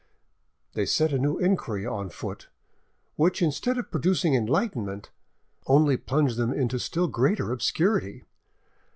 They set a new inquiry on foot, which, instead of producing enlightenment, only plunged them into still greater obscurity.